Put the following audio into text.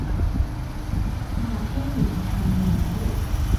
มาเธ่อยู่ในทางแล้ว